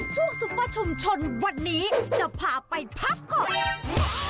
ซุปเปอร์ชุมชนวันนี้จะพาไปพักผ่อน